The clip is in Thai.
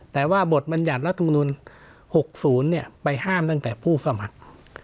แต่ว่าบทบรรยัติรัฐมนุน๖๐ไปห้ามตั้งแต่ผู้สมัคร